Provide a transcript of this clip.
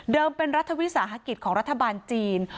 เป็นรัฐวิสาหกิจของรัฐบาลจีน